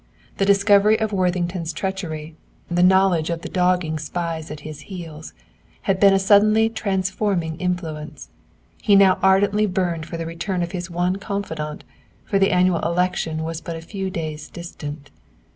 The discovery of Worthington's treachery, the knowledge of the dogging spies at his heels, had been a suddenly transforming influence. He now ardently burned for the return of his one confidant, for the annual election was but a few days distant.